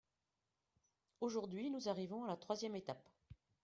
Aujourd’hui, nous arrivons à la troisième étape.